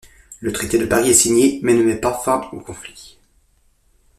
Le traité de Paris est signé, mais ne met pas fin au conflit.